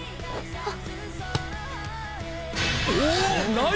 あっ！